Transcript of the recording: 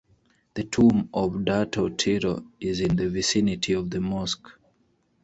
The tomb of Dato Tiro is in the vicinity of the mosque.